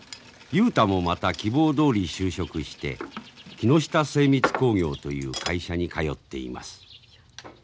雄太もまた希望どおり就職して木下精密工業という会社に通っています。